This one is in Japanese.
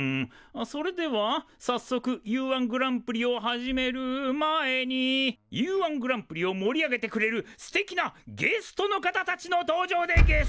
それではさっそくＵ−１グランプリを始める前にＵ−１グランプリを盛り上げてくれるすてきなゲストの方たちの登場でゲス！